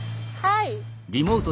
はい。